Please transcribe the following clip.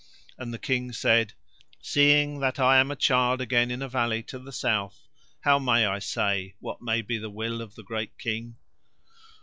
And the King said:— "Seeing that I am a child again in a valley to the south, how may I say what may be the will of the great King?"